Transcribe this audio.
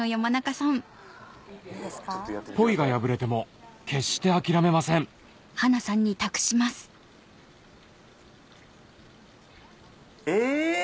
ポイが破れても決して諦めませんえぇ！